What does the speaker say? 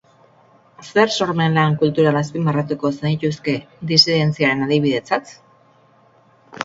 Zer sormen lan kultural azpimarratuko zenituzke disidentziaren adibidetzat?